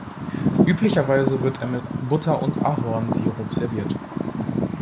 Üblicherweise wird er mit Butter und Ahornsirup serviert.